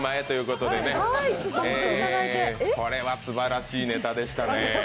これはすばらしいネタでしたね。